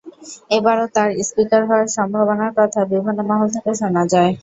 এবারও তাঁর স্পিকার হওয়ার সম্ভাবনার কথা বিভিন্ন মহল থেকে শোনা যায়।